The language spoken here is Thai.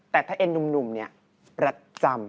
แต่ถ้าเอ็นหนุ่มเนี่ยประจำ